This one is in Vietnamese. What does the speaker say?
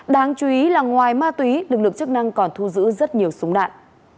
đáng chú ý là ngoài ma túy lực lượng chức năng còn thu giữ rất nhiều súng đạn